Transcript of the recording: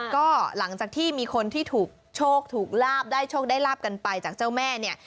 ก็หลังจากที่มีคนที่ถูกโชคถูกลาบได้โชคได้ลาบกันไปจากเจ้าแม่เนี่ย